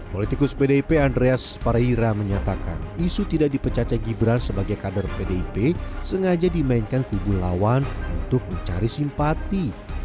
politikus pdip andreas pareira menyatakan isu tidak dipecacah gibran sebagai kader pdip sengaja dimainkan kubu lawan untuk mencari simpati